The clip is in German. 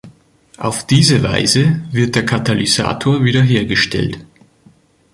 Auf diese Weise wird der Katalysator wiederhergestellt.